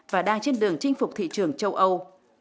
và đang trên đường chinh phục thị trường châu âu